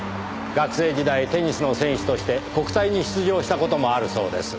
学生時代テニスの選手として国体に出場した事もあるそうです。